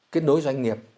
kết nối doanh nghiệp